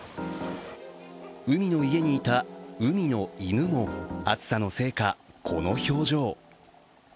海の家にいた海の犬も暑さのせいか、この表情。